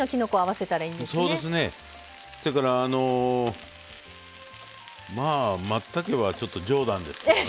せやからあのまあまったけはちょっと冗談ですけどね。